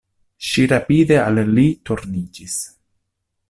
Ŝi rapide al li turniĝis.